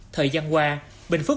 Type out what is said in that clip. thời gian qua bình phước